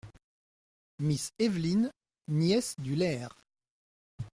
Miss Eveline, nièce du Laird.